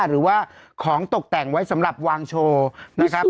หรือว่าของตกแต่งไว้สำหรับวางโชว์นะครับ